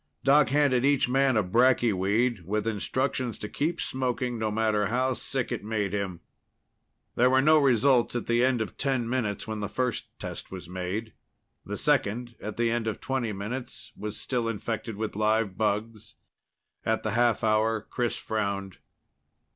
Doc handed each man a bracky weed, with instructions to keep smoking, no matter how sick it made him. There were no results at the end of ten minutes when the first test was made. The second, at the end of twenty minutes, was still infected with live bugs. At the half hour, Chris frowned.